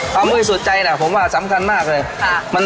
ความมือสุดใจผมว่าสำคัญมากเลย